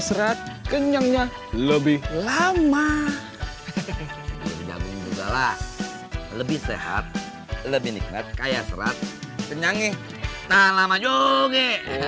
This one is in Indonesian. serat kenyangnya lebih lama lebih sehat lebih nikmat kaya serat kenyang nih tahan lama juga